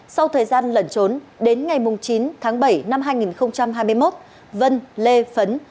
sau thời gian lẩn trốn đến ngày chín tháng bảy năm hai nghìn hai mươi một vân lê phấn